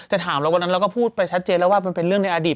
ถามแล้ววันนั้นเราก็พูดไปชัดเจนแล้วว่ามันเป็นเรื่องในอดีต